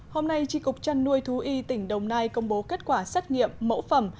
hôm nay tri cục trăn nuôi thú y tỉnh đồng nai công bố kết quả xét nghiệm mẫu phẩm